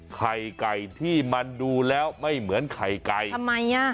ไข่ไก่ที่มันดูแล้วไม่เหมือนไข่ไก่ทำไมอ่ะ